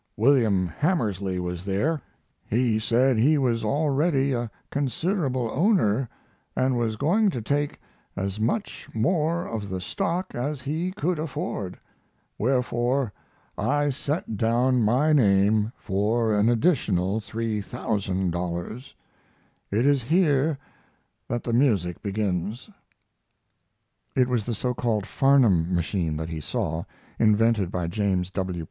William Hamersley was there. He said he was already a considerable owner, and was going to take as much more of the stock as he could afford. Wherefore, I set down my name for an additional $3,000. It is here that the music begins. It was the so called Farnham machine that he saw, invented by James W.